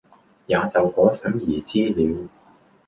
也就可想而知了，